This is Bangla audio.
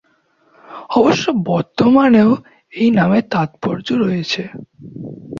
অবশ্য বর্তমানেও এই নামের তাৎপর্য রয়েছে।